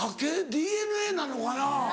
ＤＮＡなのかな？